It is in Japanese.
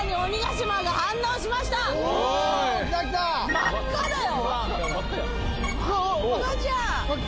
真っ赤だよ。